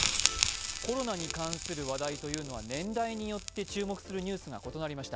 コロナに関する話題というのは年代によって注目するニュースが異なりました。